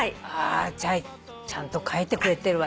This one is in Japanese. あちゃんと書いてくれてるわ。